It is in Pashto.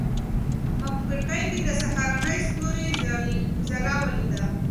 ما په کړکۍ کې د سهارني ستوري ځلا ولیده.